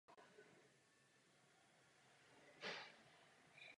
Byl tehdy uváděn jako referent ředitelství Československých dolů.